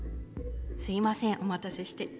すいませんお待たせして。